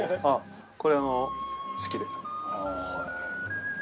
あぁこれ好きで。